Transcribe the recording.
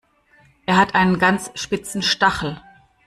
Er hat einen ganz spitzen Stachel.